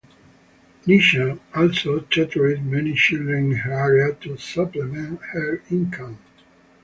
Nisha also tutored many children in her area to supplement her income.